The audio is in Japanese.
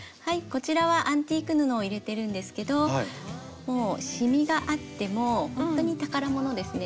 こちらはアンティーク布を入れてるんですけどもうシミがあってもほんとに宝物ですね。